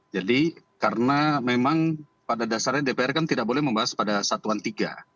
karena memang pada dasarnya dpr kan tidak boleh membahas pada satuan tiga